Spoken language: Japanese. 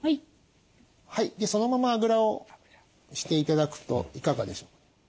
そのままあぐらをして頂くといかがでしょうか？